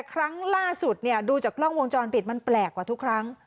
ครั้งล่าสุดดูจากกล้องวงจรปิดมันแปลกกว่าทุกครั้ง